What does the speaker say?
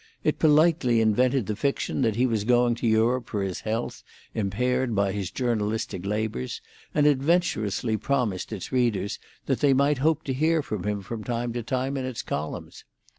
It politely invented the fiction that he was going to Europe for his health, impaired by his journalistic labours, and adventurously promised its readers that they might hope to hear from him from time to time in its columns.